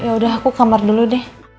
yaudah aku ke kamar dulu deh